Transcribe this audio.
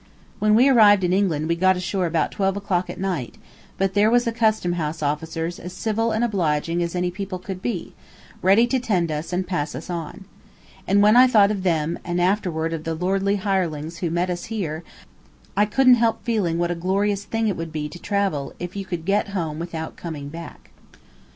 When we arrived in England we got ashore about twelve o'clock at night, but there was the custom house officers as civil and obliging as any people could be, ready to tend to us and pass us on. And when I thought of them, and afterward of the lordly hirelings who met us here, I couldn't help feeling what a glorious thing it would be to travel if you could get home without coming back.